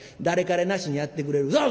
誰かれなしにやってくれる。